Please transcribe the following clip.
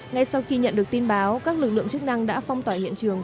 ngay sau khi nhận được tin báo các lực lượng chức năng đã phong tỏa hiện trường